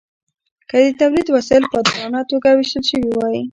که د تولید وسایل په عادلانه توګه ویشل شوي وای.